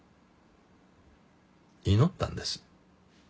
祈ったんです。